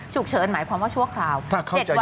ฉุกเฉินหมายความว่าชั่วคราวเจ็ดวันประกาศได้